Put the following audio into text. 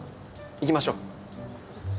行きましょう。